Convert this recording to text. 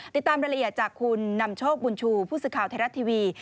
ติดตามรายละเอียดจากคุณนำโชคบุญชูผู้สื่อข่าวไทยรัฐทีวี